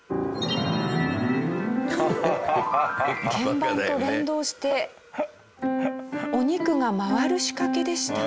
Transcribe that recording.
鍵盤と連動してお肉が回る仕掛けでした。